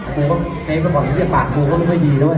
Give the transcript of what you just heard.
ใช้กระบวนที่เกียจปากโรงก็ไม่ค่อยดีด้วย